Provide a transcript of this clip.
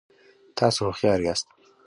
تاسو هوښیار یاست